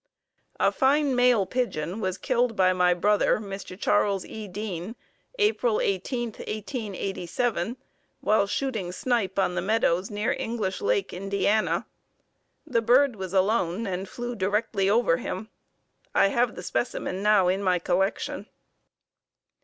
A fine male pigeon was killed by my brother, Mr. Chas. E. Deane, April 18, 1887, while shooting snipe on the meadows near English Lake, Ind. The bird was alone and flew directly over him. I have the specimen now in my collection.